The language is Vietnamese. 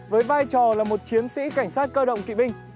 với vai trò là một chiến sĩ cảnh sát cơ động kỵ binh